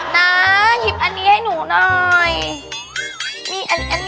น้าหยิบอันนี้ให้หนูหน่อย